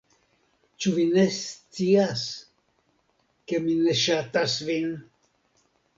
Ĉu vi ne scias, ke mi ne ŝatas vin?